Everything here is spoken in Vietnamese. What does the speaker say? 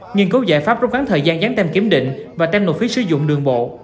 nghiên cứu giải pháp rút ngắn thời gian dán tem kiểm định và tem nộp phí sử dụng đường bộ